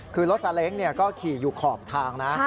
คือรถซาเล้งก็ขี่อยู่ขอบทางนะ